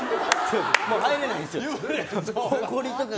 入れないんですよ。